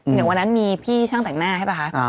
อย่างวันนั้นมีพี่ช่างแต่งหน้าใช่ป่ะคะ